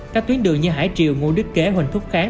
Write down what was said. các tuyến đường như hải triều ngô đức kế huỳnh thúc kháng